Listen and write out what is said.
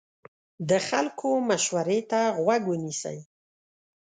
د خلکو مشورې ته غوږ ونیسئ.